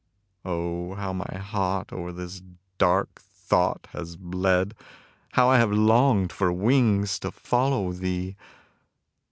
Oh, how my heart o'er this dark thought has bled! How I have longed for wings to follow thee!